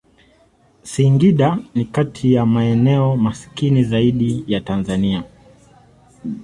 Singida ni kati ya maeneo maskini zaidi ya Tanzania.